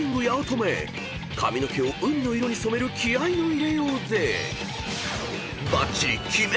［髪の毛を海の色に染める気合の入れようで］